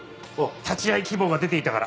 立ち会い希望が出ていたから。